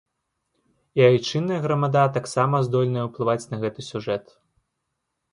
І айчынная грамада таксама здольная ўплываць на гэты сюжэт.